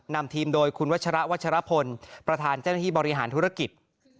นำทีมโดยคุณวัชระวัชรพลประธานเจ้าหน้าที่บริหารธุรกิจ